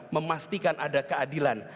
memastikan ada keadilan